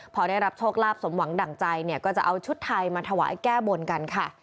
พอได้รับโชคลาภสมหวังดั่งใจเนี่ยก็จะเอาชุดไทยมาถวายแก้บนกันค่ะ